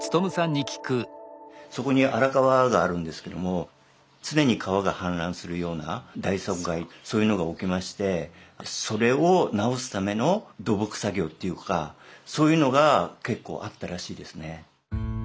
そこに荒川があるんですけども常に川が氾濫するような大損害そういうのが起きましてそれを直すための土木作業っていうかそういうのが結構あったらしいですね。